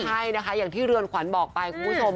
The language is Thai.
ใช่นะคะอย่างที่เรือนขวัญบอกไปคุณผู้ชม